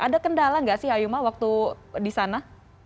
ada kendala gak sih ayuma waktu disana